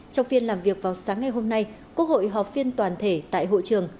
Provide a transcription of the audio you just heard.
trong phiên làm việc vào sáng ngày hôm nay quốc hội họp phiên toàn thể tại hội trường